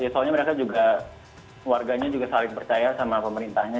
soalnya mereka juga warganya juga saling percaya sama pemerintahnya